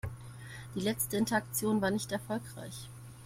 Die letzte Interaktion war nicht erfolgreich.